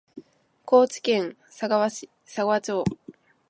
高知県佐川町